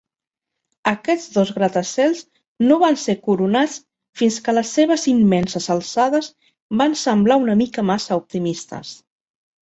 Aquests dos gratacels no van ser coronats fins que les seves immenses alçades van semblar una mica massa optimistes.